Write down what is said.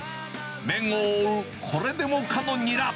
麺を覆うこれでもかのニラ。